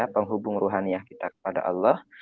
penghubung ruhaniyah kita kepada allah